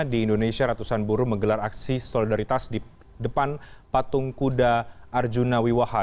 di indonesia ratusan buruh menggelar aksi solidaritas di depan patung kuda arjuna wiwaha